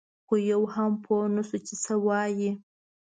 خو یو هم پوی نه شو چې څه یې ووې.